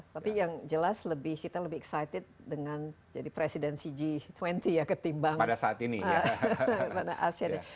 tapi yang jelas kita lebih excited dengan jadi presiden cg dua puluh ya ketimbang pada asean